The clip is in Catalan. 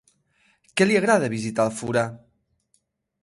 Què li agrada visitar al forà?